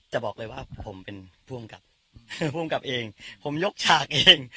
จะบอกเลยว่าผมเป็นผู้กำกับภูมิกับเองผมยกฉากเอง